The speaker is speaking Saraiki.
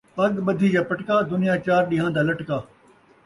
پڳ ٻدھی یا پٹکا، دنیا چار ݙیہاں دا لٹکا